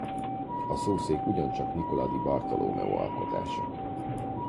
A szószék ugyancsak Nicola di Bartolomeo alkotása.